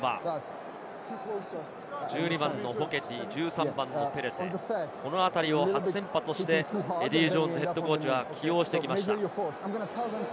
１２番のフォケティ、１３番のペレセ、このあたりも初先発してエディー・ジョーンズＨＣは起用してきました。